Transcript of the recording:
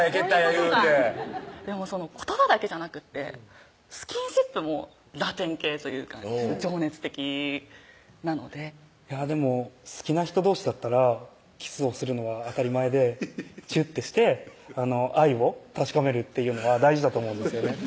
言うてでも言葉だけじゃなくってスキンシップもラテン系というか情熱的なのででも好きな人どうしだったらキスをするのは当たり前でチュッてして愛を確かめるっていうのは大事だと思うんですよね